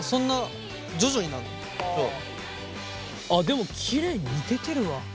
あっでもきれいにむけてるわ。